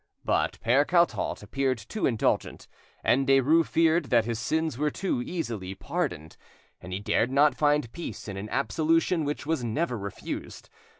But Pere Cartault appeared too indulgent, and Derues feared that his sins were too easily pardoned; and he dared not find peace in an absolution which was never refused.